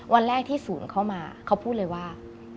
วันแรกที่ศูนย์เข้ามาเขาพูดเลยว่า